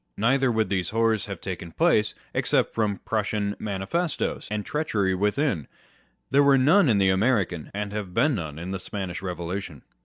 Neither would these horrors have taken place, except from Prussian manifestoes, and treachery writhin : there were none in the American, and have been none in the Spanish Revolution.